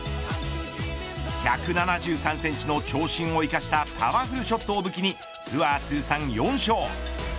１７３センチの長身を生かしたパワフルショットを武器にツアー通算４勝。